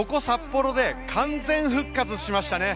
ここ札幌で完全復活しましたね。